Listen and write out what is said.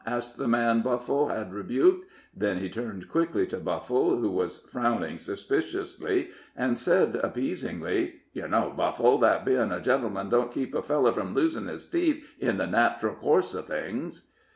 asked the man Buffle had rebuked; then he turned quickly to Buffle, who was frowning suspiciously, and said, appeasingly, "Yer know, Buffle, that bein' a gentleman don't keep a feller from losin' his teeth in the nateral course of things."